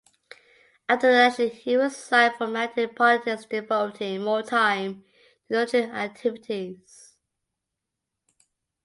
After the election he resigned from active politics devoting more time to notary activities.